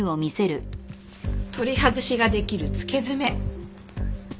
取り外しができる付け爪。